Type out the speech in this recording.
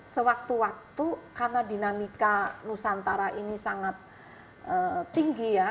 sewaktu waktu karena dinamika nusantara ini sangat tinggi ya